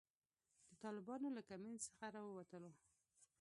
د طالبانو له کمین څخه را ووتلو.